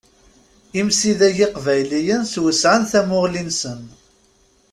Imsidag iqbayliyen swesɛen tamuɣli-nsen.